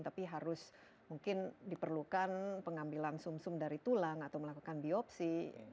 tapi harus mungkin diperlukan pengambilan sum sum dari tulang atau melakukan biopsi